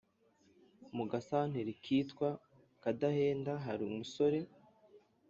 mu gasanteri kitwa Kadahenda hari umusore